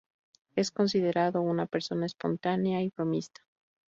Es considerado una persona espontánea y bromista.